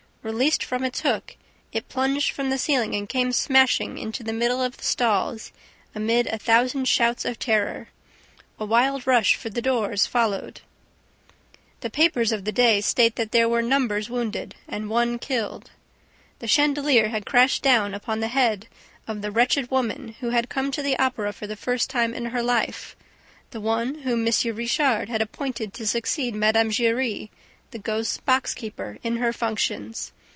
Released from its hook, it plunged from the ceiling and came smashing into the middle of the stalls, amid a thousand shouts of terror. A wild rush for the doors followed. The papers of the day state that there were numbers wounded and one killed. The chandelier had crashed down upon the head of the wretched woman who had come to the Opera for the first time in her life, the one whom M. Richard had appointed to succeed Mme. Giry, the ghost's box keeper, in her functions!